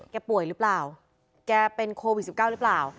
ป่วยหรือเปล่าแกเป็นโควิด๑๙หรือเปล่า